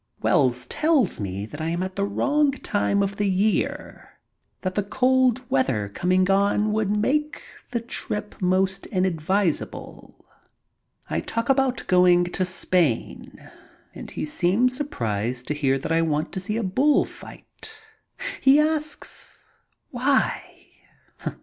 Wells tells me that I am at the wrong time of the year, that the cold weather coming on would make the trip most inadvisable. I talk about going to Spain, and he seems surprised to hear that I want to see a bull fight. He asks, "Why?"